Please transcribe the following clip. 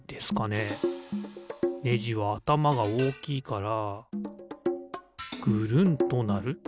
ネジはあたまがおおきいからぐるんとなる。